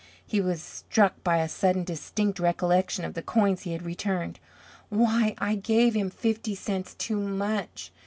He was struck by a sudden distinct recollection of the coins he had returned. "Why, I gave him fifty cents too much!"